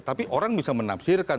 tapi orang bisa menafsirkan